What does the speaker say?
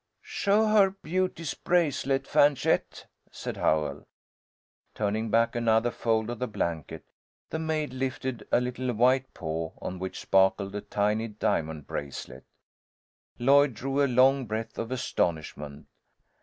"Show her Beauty's bracelet, Fanchette," said Howell. Turning back another fold of the blanket, the maid lifted a little white paw, on which sparkled a tiny diamond bracelet. Lloyd drew a long breath of astonishment.